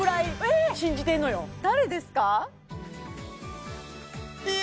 誰ですか？